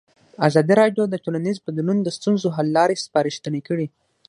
ازادي راډیو د ټولنیز بدلون د ستونزو حل لارې سپارښتنې کړي.